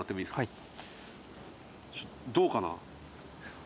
はい。